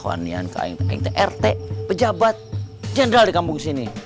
wah nihan ku aing rt pejabat general di kampung sini